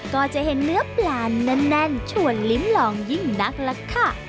ก็จะเห็นเนื้อปลาแน่นชวนลิ้มลองยิ่งนักล่ะค่ะ